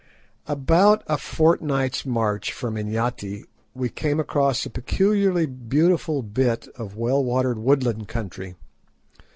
About a fortnight's march from Inyati we came across a peculiarly beautiful bit of well watered woodland country.